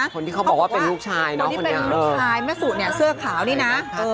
คนที่เขาบอกว่าเป็นลูกชายนะคนที่เป็นลูกชายแม่สุเนี่ยเสื้อขาวนี่นะ